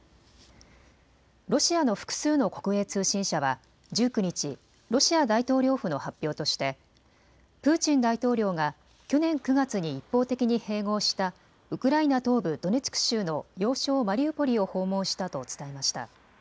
ロシアの複数の国営通信社は１９日、ロシア大統領府の発表としてプーチン大統領が去年９月に一方的に併合したウクライナ東部ドネツク州の要衝マリウポリを訪問したと伝えました。